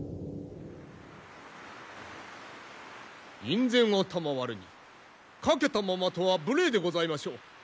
院宣を賜るに掛けたままとは無礼でございましょう。